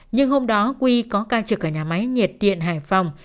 nhưng hôm đó quy có cao trực ở nhà máy nhiệt tiện hải phòng